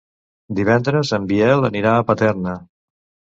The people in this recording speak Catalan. Divendres en Biel anirà a Paterna.